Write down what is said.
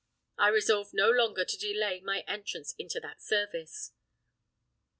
I resolved no longer to delay my entrance into that service.